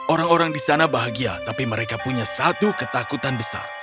orang orang di sana bahagia tapi mereka punya satu ketakutan besar